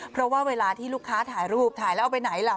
เพราะว่าเวลาที่ลูกค้าถ่ายรูปถ่ายแล้วเอาไปไหนล่ะ